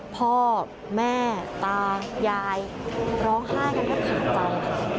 พ่อแม่ตายายร้องไห้กันแค่ถามใจ